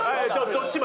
どっち前？